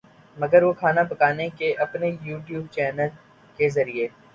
مگر وہ کھانا پکانے کے اپنے یو ٹیوب چینل کے ذریعے